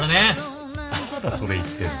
まだそれ言ってんの。